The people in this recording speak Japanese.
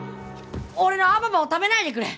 俺のアババを食べないでくれ！